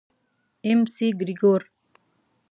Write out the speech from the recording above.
اېم سي ګرېګور.